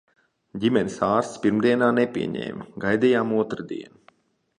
Ģimenes ārsts pirmdienā nepieņēma, gaidījām otrdienu.